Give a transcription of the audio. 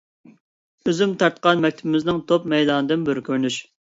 ئۆزۈم تارتقان مەكتىپىمىزنىڭ توپ مەيدانىدىن بىر كۆرۈنۈش.